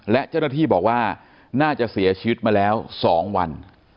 และเจ้าหน้าที่บอกว่าน่าจะเสียชีวิตมาแล้ว๒วัน